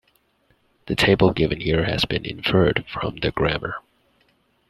The table given here has been inferred from the grammar.